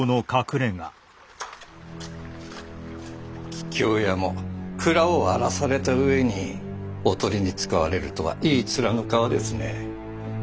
桔梗屋も蔵を荒らされた上におとりに使われるとはいい面の皮ですねえ。